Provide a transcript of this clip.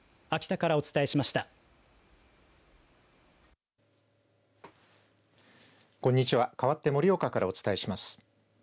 かわって盛岡からお伝えします。